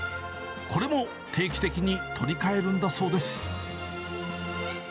これも定期的に取り替えるんだそうです。